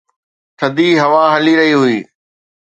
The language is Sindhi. ٿڌي هوا هلي رهي هئي